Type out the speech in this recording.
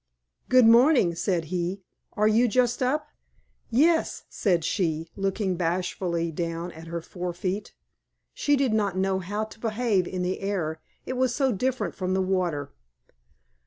"Good morning," said he. "Are you just up?" "Yes," said she, looking bashfully down at her forefeet. She did not know how to behave in the air, it was so different from the water.